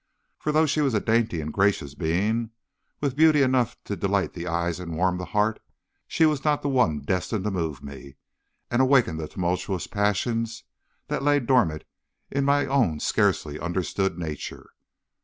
For though she was a dainty and gracious being, with beauty enough to delight the eyes and warm the heart, she was not the one destined to move me, and awake the tumultuous passions that lay dormant in my own scarcely understood nature.